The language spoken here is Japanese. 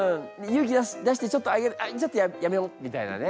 勇気出してちょっと上げるちょっとやめようみたいなね。